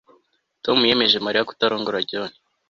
Tom yemeje Mariya kutarongora John